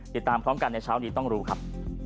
ติดตามพร้อมกันในเช้านี้ต้องรู้ครับ